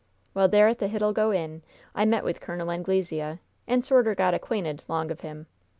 "Well, there at the Hidalgo Inn, I met with Col. Anglesea, and sorter got acquainted long of him.